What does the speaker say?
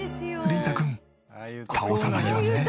リンタくん倒さないようにね。